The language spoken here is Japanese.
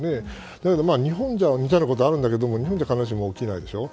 だけど、日本でも似たようなことがあるんだけど日本じゃ必ずしも起きないでしょう。